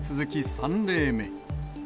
３例目。